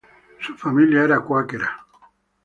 Su familia era cuáquera.